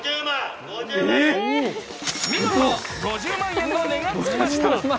見事、５０万円の値がつきました。